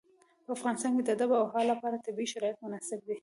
په افغانستان کې د آب وهوا لپاره طبیعي شرایط مناسب دي.